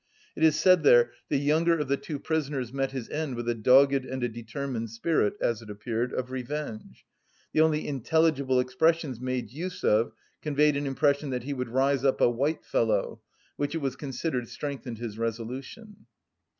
It is said there: "The younger of the two prisoners met his end with a dogged and a determined spirit, as it appeared, of revenge; the only intelligible expressions made use of conveyed an impression that he would rise up a 'white fellow,' which it was considered strengthened his resolution."